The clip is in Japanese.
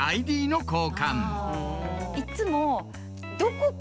いっつも。